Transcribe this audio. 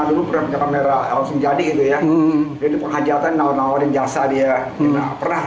dulu berapa kamera langsung jadi itu ya jadi penghajatan lawan lawan dan jasa dia pernah